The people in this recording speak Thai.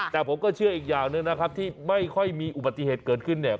แต่ผมก็เชื่ออีกอย่างหนึ่งนะครับที่ไม่ค่อยมีอุบัติเหตุเกิดขึ้นเนี่ย